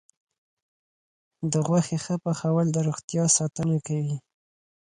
د غوښې ښه پخول د روغتیا ساتنه کوي.